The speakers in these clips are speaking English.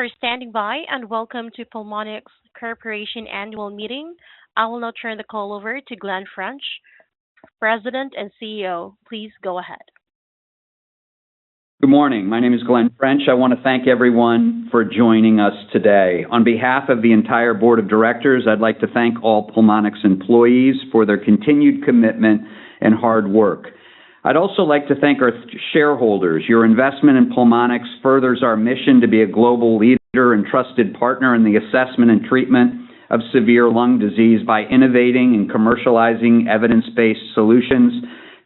Thank you for standing by, and welcome to Pulmonx Corporation Annual Meeting. I will now turn the call over to Glen French, President and CEO. Please go ahead. Good morning. My name is Glen French. I want to thank everyone for joining us today. On behalf of the entire board of directors, I'd like to thank all Pulmonx employees for their continued commitment and hard work. I'd also like to thank our shareholders. Your investment in Pulmonx furthers our mission to be a global leader and trusted partner in the assessment and treatment of severe lung disease by innovating and commercializing evidence-based solutions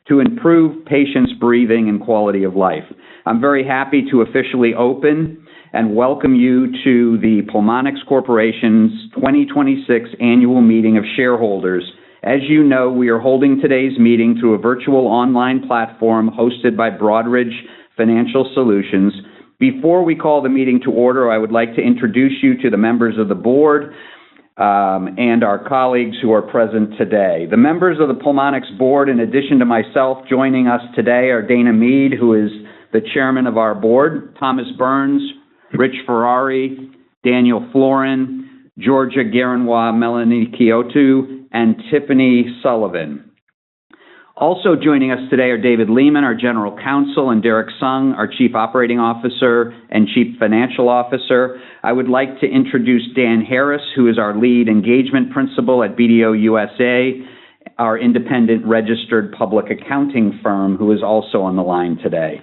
to improve patients' breathing and quality of life. I'm very happy to officially open and welcome you to the Pulmonx Corporation's 2026 Annual Meeting of Shareholders. As you know, we are holding today's meeting through a virtual online platform hosted by Broadridge Financial Solutions. Before we call the meeting to order, I would like to introduce you to the members of the board, and our colleagues who are present today. The members of the Pulmonx board, in addition to myself, joining us today are Dana Mead, who is the chairman of our board, Thomas Burns, Rich Ferrari, Daniel Florin, Georgia Garenwa, Melanie Kyoto, and Tiffany Sullivan. Also joining us today are David Lehman, our General Counsel, and Derrick Sung, our Chief Operating Officer and Chief Financial Officer. I would like to introduce Dan Harris, who is our lead engagement principal at BDO USA, our independent registered public accounting firm, who is also on the line today.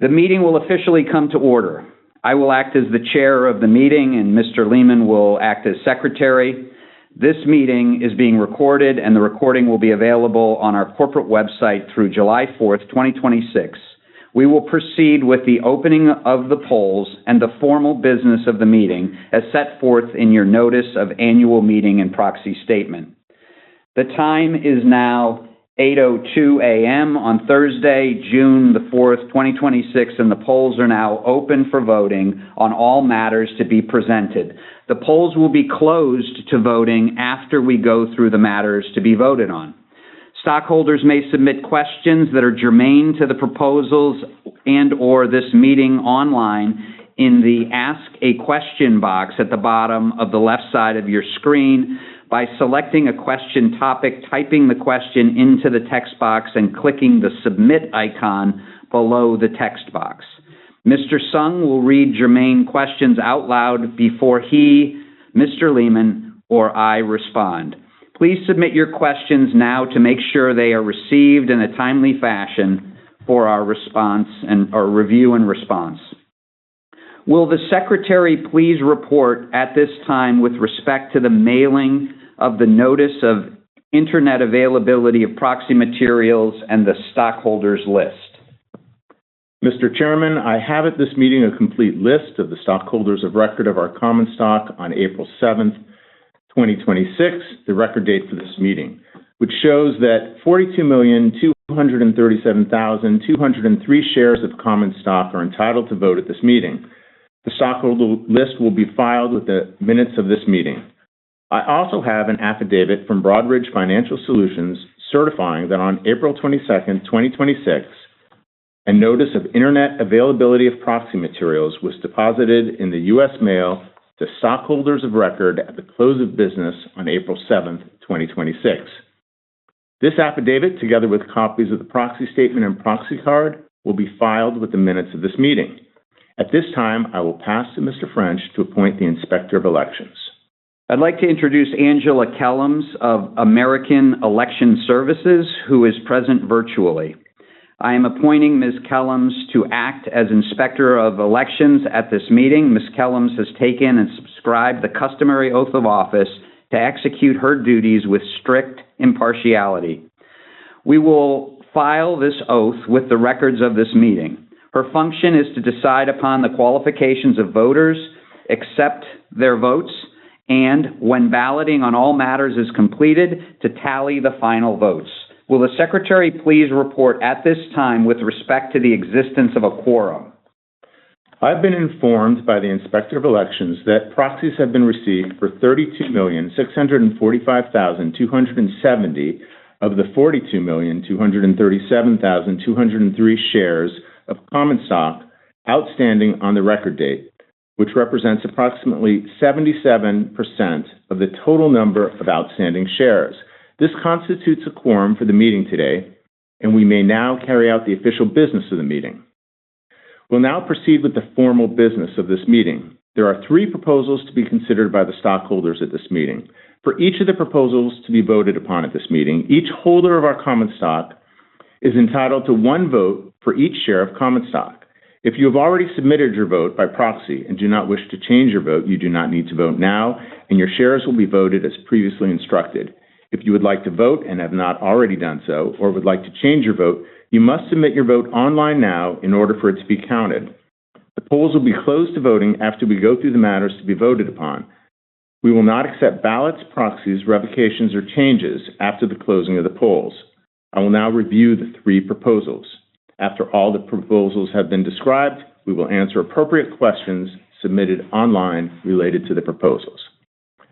The meeting will officially come to order. I will act as the chair of the meeting, and Mr. Lehman will act as secretary. This meeting is being recorded, and the recording will be available on our corporate website through July 4th, 2026. We will proceed with the opening of the polls and the formal business of the meeting as set forth in your notice of annual meeting and proxy statement. The time is now 8:02 A.M. on Thursday, June the 4th, 2026, and the polls are now open for voting on all matters to be presented. The polls will be closed to voting after we go through the matters to be voted on. Stockholders may submit questions that are germane to the proposals and/or this meeting online in the Ask a Question box at the bottom of the left side of your screen by selecting a question topic, typing the question into the text box, and clicking the submit icon below the text box. Mr. Sung will read germane questions out loud before he, Mr. Lehman, or I respond. Please submit your questions now to make sure they are received in a timely fashion for our review and response. Will the secretary please report at this time with respect to the mailing of the notice of Internet availability of proxy materials and the stockholders list? Mr. Chairman, I have at this meeting a complete list of the stockholders of record of our common stock on April 7th, 2026, the record date for this meeting, which shows that 42,237,203 shares of common stock are entitled to vote at this meeting. The stockholder list will be filed with the minutes of this meeting. I also have an affidavit from Broadridge Financial Solutions certifying that on April 22nd, 2026, a notice of Internet availability of proxy materials was deposited in the U.S. mail to stockholders of record at the close of business on April 7th, 2026. This affidavit, together with copies of the proxy statement and proxy card, will be filed with the minutes of this meeting. At this time, I will pass to Mr. French to appoint the Inspector of Elections. I'd like to introduce Angela Kellems of American Election Services, who is present virtually. I am appointing Ms. Kellems to act as Inspector of Elections at this meeting. Ms. Kellems has taken and subscribed the customary oath of office to execute her duties with strict impartiality. We will file this oath with the records of this meeting. Her function is to decide upon the qualifications of voters, accept their votes, and when balloting on all matters is completed, to tally the final votes. Will the secretary please report at this time with respect to the existence of a quorum? I've been informed by the Inspector of Elections that proxies have been received for 32,645,270 of the 42,237,203 shares of common stock outstanding on the record date, which represents approximately 77% of the total number of outstanding shares. This constitutes a quorum for the meeting today, and we may now carry out the official business of the meeting. We'll now proceed with the formal business of this meeting. There are three proposals to be considered by the stockholders at this meeting. For each of the proposals to be voted upon at this meeting, each holder of our common stock is entitled to one vote for each share of common stock. If you have already submitted your vote by proxy and do not wish to change your vote, you do not need to vote now, and your shares will be voted as previously instructed. If you would like to vote and have not already done so or would like to change your vote, you must submit your vote online now in order for it to be counted. The polls will be closed to voting after we go through the matters to be voted upon. We will not accept ballots, proxies, revocations, or changes after the closing of the polls. I will now review the three proposals. After all the proposals have been described, we will answer appropriate questions submitted online related to the proposals.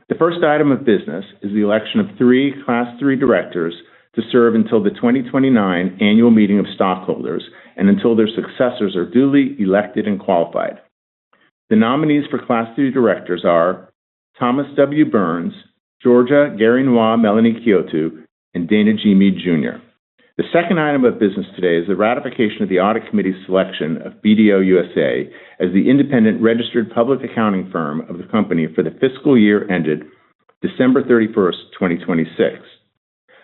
The first item of business is the election of three Class III directors to serve until the 2029 annual meeting of stockholders and until their successors are duly elected and qualified. The nominees for Class III directors are Thomas W. Burns, Georgia Garinois-Melenikiotou, and Dana G. Mead, Jr. The second item of business today is the ratification of the audit committee's selection of BDO USA as the independent registered public accounting firm of the company for the fiscal year ended December 31, 2026.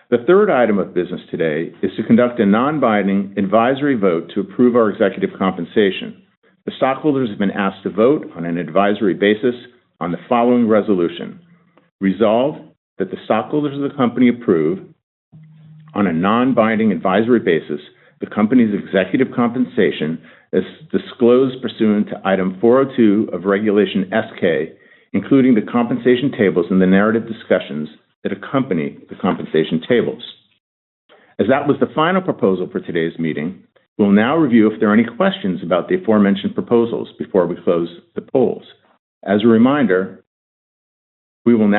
The third item of business today is to conduct a non-binding advisory vote to approve our executive compensation. The stockholders have been asked to vote on an advisory basis on the following resolution. Resolved, that the stockholders of the company approve, on a non-binding advisory basis, the company's executive compensation as disclosed pursuant to Item 402 of Regulation S-K, including the compensation tables and the narrative discussions that accompany the compensation tables. As that was the final proposal for today's meeting, we'll now review if there are any questions about the aforementioned proposals before we close the polls. As a reminder, we will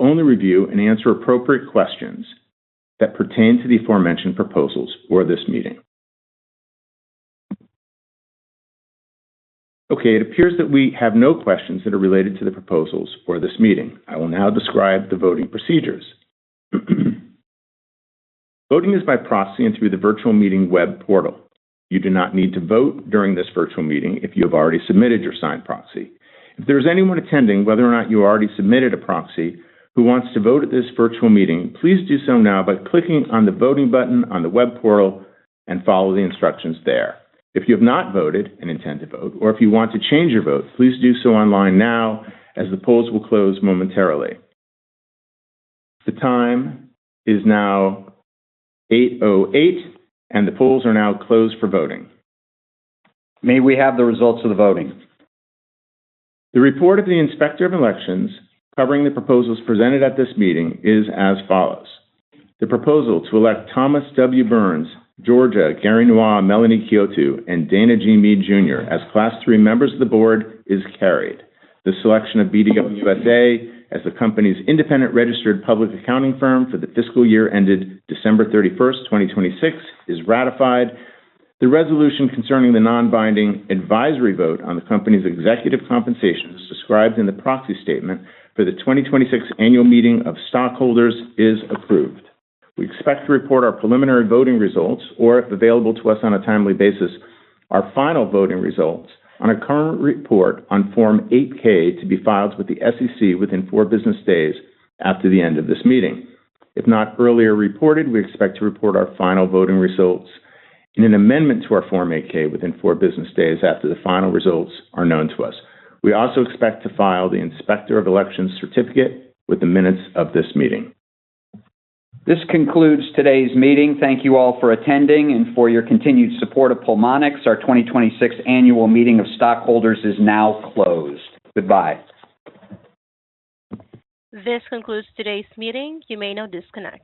only review and answer appropriate questions that pertain to the aforementioned proposals for this meeting. It appears that we have no questions that are related to the proposals for this meeting. I will now describe the voting procedures. Voting is by proxy and through the virtual meeting web portal. You do not need to vote during this virtual meeting if you have already submitted your signed proxy. If there is anyone attending, whether or not you already submitted a proxy, who wants to vote at this virtual meeting, please do so now by clicking on the voting button on the web portal and follow the instructions there. If you have not voted and intend to vote, or if you want to change your vote, please do so online now, as the polls will close momentarily. The time is now 8:08 A.M., and the polls are now closed for voting. May we have the results of the voting? The report of the Inspector of Elections covering the proposals presented at this meeting is as follows. The proposal to elect Thomas W. Burns, Georgia Garinois-Melenikiotou, and Dana G. Mead, Jr. as Class III members of the board is carried. The selection of BDO USA as the company's independent registered public accounting firm for the fiscal year ended December 31, 2026, is ratified. The resolution concerning the non-binding advisory vote on the company's executive compensation, as described in the proxy statement for the 2026 annual meeting of stockholders, is approved. We expect to report our preliminary voting results, or, if available to us on a timely basis, our final voting results on a current report on Form 8-K to be filed with the SEC within four business days after the end of this meeting. If not earlier reported, we expect to report our final voting results in an amendment to our Form 8-K within four business days after the final results are known to us. We also expect to file the Inspector of Elections certificate with the minutes of this meeting. This concludes today's meeting. Thank you all for attending and for your continued support of Pulmonx. Our 2026 annual meeting of stockholders is now closed. Goodbye. This concludes today's meeting. You may now disconnect.